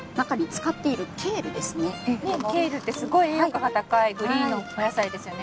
ケールってすごい栄養価が高いグリーンのお野菜ですよね。